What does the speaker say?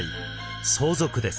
相続です。